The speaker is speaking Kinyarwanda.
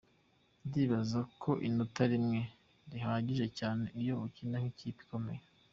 Ndibaza ko inota rimwe rihagije cyane iyo ukina n’ikipe ikomeye.